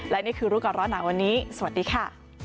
และนี่คือรู้ก่อนร้อนหนาวันนี้สวัสดีค่ะ